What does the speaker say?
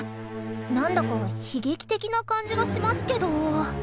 なんだか悲劇的な感じがしますけど。